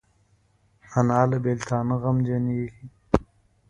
انا له بیلتانه غمجنېږي